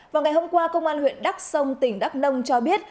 vào ngày hôm qua công an huyện đắc sông tỉnh đắc nông cho biết